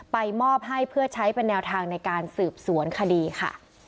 มอบให้เพื่อใช้เป็นแนวทางในการสืบสวนคดีค่ะ